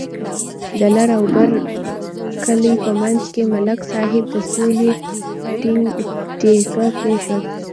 د لر او بر کلي په منځ کې ملک صاحب د سولې تیگه کېښوده.